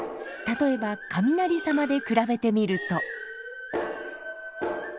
例えば雷様で比べてみると。